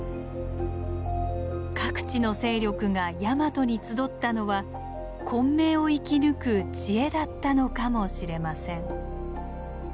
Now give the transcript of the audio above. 各地の勢力がヤマトに集ったのは混迷を生き抜く知恵だったのかもしれません。